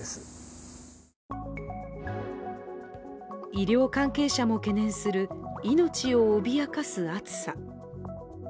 医療関係者も懸念する、命を脅かす暑さ。